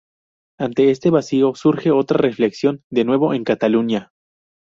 Ante este vacío surge otra reflexión, de nuevo, en Cataluña.